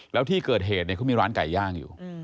แล้วที่เกิดเหตุเขามีร้านไก่ย่างอยู่